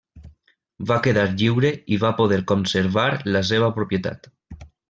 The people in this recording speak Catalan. Va quedar lliure i va poder conservar la seva propietat.